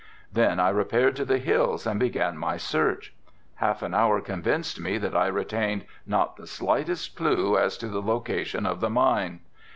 Then I repaired to the hills and began my search. Half an hour convinced me that I retained not the slightest clew as to the location of the mine.